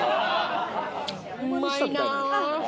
うまいな。